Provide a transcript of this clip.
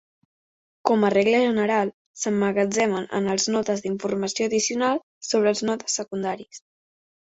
Com a regla general, s'emmagatzemen en els nodes d'informació addicional sobre els nodes secundaris.